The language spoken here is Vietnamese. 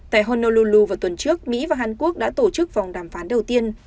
tại honoloulu vào tuần trước mỹ và hàn quốc đã tổ chức vòng đàm phán đầu tiên